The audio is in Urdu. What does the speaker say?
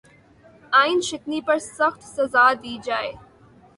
آئین شکنی پر سخت سزا دی جائے